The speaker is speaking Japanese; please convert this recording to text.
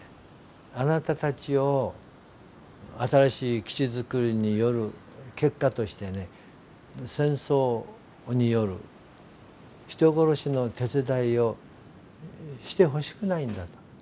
あなたたちを新しい基地造りによる結果として戦争による人殺しの手伝いをしてほしくないんだと。